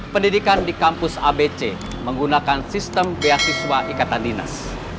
pendidikan di kampus abc menggunakan sistem beasiswa ikatan dinas